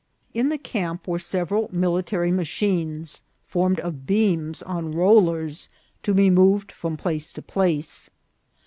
In the camp were several military ma chines, formed of beams on rollers, to be moved from place to place.